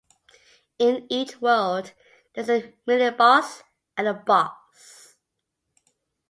In each world, there is a mini-boss and a boss.